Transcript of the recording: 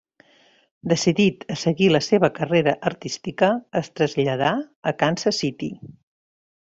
Decidit a seguir la seva carrera artística, es traslladà a Kansas City.